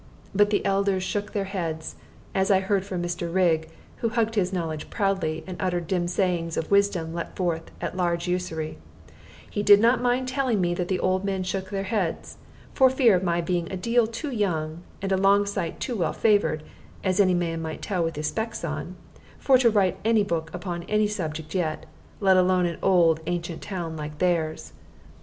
But the elders shook their heads as I heard from Mr. Rigg, who hugged his knowledge proudly, and uttered dim sayings of wisdom let forth at large usury: he did not mind telling me that the old men shook their heads, for fear of my being a deal too young, and a long sight too well favored (as any man might tell without his specs on), for to write any book upon any subject yet, leave alone an old, ancient town like theirs.